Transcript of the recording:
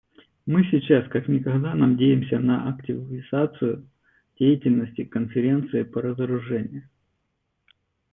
Мы сейчас как никогда надеемся на активизацию деятельности Конференции по разоружению.